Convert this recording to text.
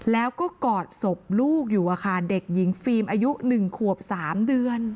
แล้วก็กอดศพลูกอยู่อะค่ะเด็กหญิงฟิล์มอายุ๑ขวบ๓เดือน